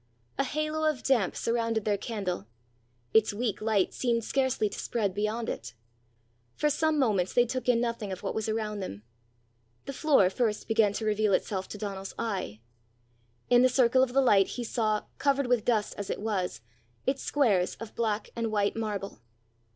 A halo of damp surrounded their candle; its weak light seemed scarcely to spread beyond it; for some moments they took in nothing of what was around them. The floor first began to reveal itself to Donal's eye: in the circle of the light he saw, covered with dust as it was, its squares of black and white marble.